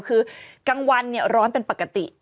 คือกลางวันร้อนเป็นปกติ